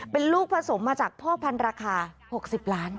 เป็นลูกผสมมาจากพ่อพันธุ์ราคา๖๐ล้าน